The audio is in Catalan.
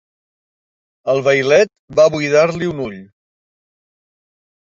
El vailet va buidar-li un ull.